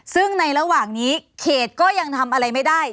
ซึ่งในระหว่างนี้เขตก็ยังทำอะไรไม่ได้